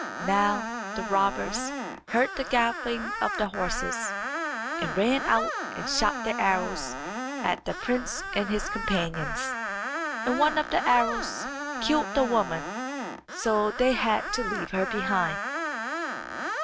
Now the robbers heard the galloping of the horses, and ran out and shot their arrows at the prince and his companions. And one of the arrows killed the woman, so they had to leave her behind.